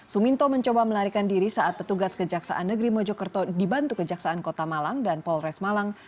suminto mencoba melarikan diri saat petugas kejaksaan negeri mojokerto dibantu kejaksaan kota malang dan polres malang